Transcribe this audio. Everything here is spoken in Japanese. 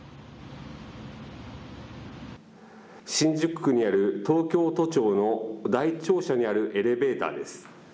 新宿区にある東京都庁の第一庁舎にあるエレベーターです。